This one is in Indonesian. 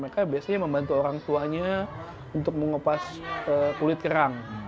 mereka biasanya membantu orang tuanya untuk mengopas kulit kerang